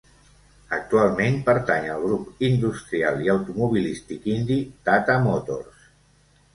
Actualment pertany al grup industrial i automobilístic indi Tata Motors.